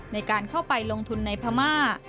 ในการเข้าไปลงทุนในพม่า